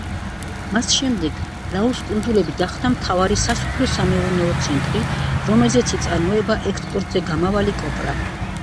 მას შემდეგ ლაუს კუნძულები გახდა მთავარი სასოფლო სამეურნეო ცენტრი, რომელზეც იწარმოებოდა ექსპორტზე გამავალი კოპრა.